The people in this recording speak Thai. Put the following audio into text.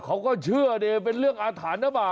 เขาก็เชื่อเนี่ยเป็นเรื่องอาฐานหรือเปล่า